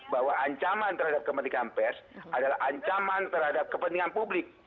bahwa ancaman terhadap kemerdekaan pers adalah ancaman terhadap kepentingan publik